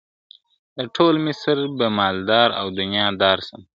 د ټول مصر به مالدار او دُنیا دار سم !.